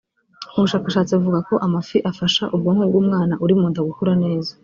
ubushakashatsi buvuga ko amafi afasha ubwonko bw’umwana uri munda gukura neza